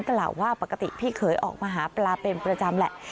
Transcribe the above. ประกะติพี่เคยออกมาหาปลาเป็นประจำแหละ